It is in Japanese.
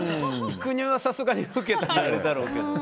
育乳はさすがに受けたらあれだろうけど。